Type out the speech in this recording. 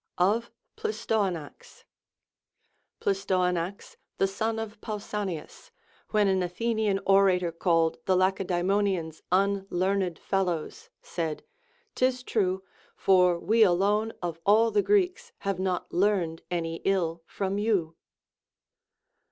Of Plistoanax. Plistoanax the son of Pausanias, when an Athenian orator called the Lacedaemonians unlearned fellows, said, 'Tis true, for we alone of all the Greeks have not learned any ill from you.